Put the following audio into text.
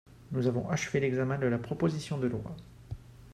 Nous avons achevé l’examen de la proposition de loi.